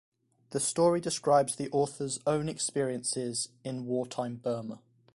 The story describes the author's own experiences in war-time Burma.